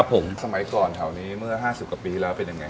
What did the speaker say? ผมสมัยก่อนแถวนี้เมื่อ๕๐กว่าปีที่แล้วเป็นยังไง